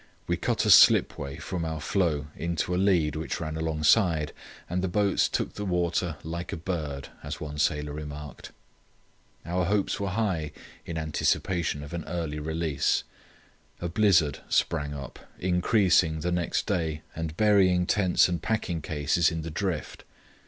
We cut a slipway from our floe into a lead which ran alongside, and the boats took the water "like a bird," as one sailor remarked. Our hopes were high in anticipation of an early release. A blizzard sprang up, increasing the next day and burying tents and packing cases in the drift.